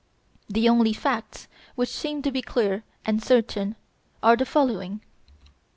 The only facts which seem to be clear and certain are the following.